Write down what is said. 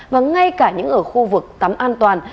và ngay cả những ở khu vực tắm an toàn